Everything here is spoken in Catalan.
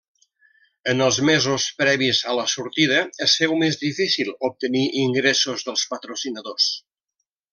En els mesos previs a la sortida es féu més difícil obtenir ingressos dels patrocinadors.